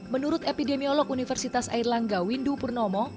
menurut epidemiolog universitas airlangga windu purnomo